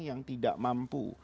yang tidak mampu